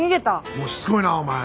もうしつこいなお前！